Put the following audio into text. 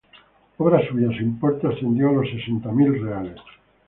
Obra suya, su importe ascendió a los sesenta mil reales.